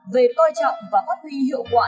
về coi trọng và phát huy hiệu quả